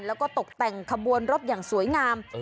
แล้วก็ตกแต่งขบวนรถอย่างสวยงาม